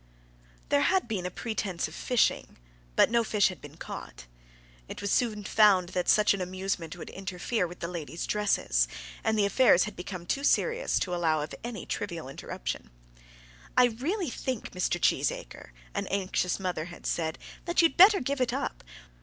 There had been a pretence of fishing, but no fish had been caught. It was soon found that such an amusement would interfere with the ladies' dresses, and the affairs had become too serious to allow of any trivial interruption. "I really think, Mr. Cheesacre," an anxious mother had said, "that you'd better give it up.